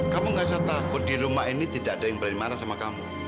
kamu gak usah takut di rumah ini tidak ada yang berani marah sama kamu